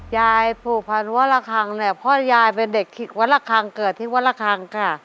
ยายผูกพันว่าละคังเนี่ยพ่อยายเป็นเด็กวัดระคังเกิดที่วัดระคังค่ะ